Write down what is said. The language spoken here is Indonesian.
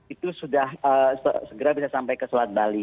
itu sudah segera bisa sampai ke selat bali